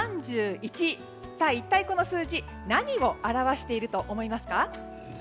一体、この数字は何を表していると思いますか？